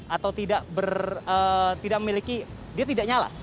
atau tidak ber tidak memiliki dia tidak nyala